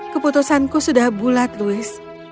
keputusanku sudah bulat louis